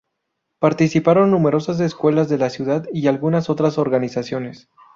Participaron numerosas escuelas de la ciudad y algunas otras organizaciones.